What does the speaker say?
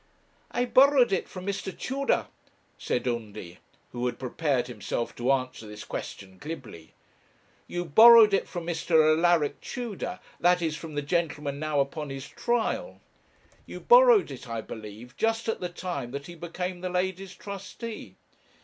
'I borrowed it from Mr. Tudor,' said Undy, who had prepared himself to answer this question glibly. 'You borrowed it from Mr. Alaric Tudor that is, from the gentleman now upon his trial. You borrowed it, I believe, just at the time that he became the lady's trustee?'